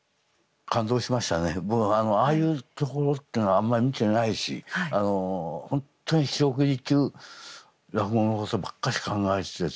僕ああいうところっていうのはあんまり見てないし本当に四六時中落語のことばっかし考えてたんだっていう。